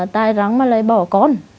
tại rằng là tôi không biết chuyện này